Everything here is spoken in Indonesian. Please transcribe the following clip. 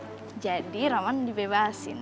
tidak bisa kann beh yang hal ini